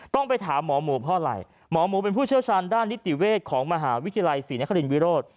ต้องไปถามหมอหมูเพราะอะไรหมอหมูเป็นผู้เชี่ยวชาญด้านนิติเวชของมหาวิทยาลัยศรีนครินวิโรธ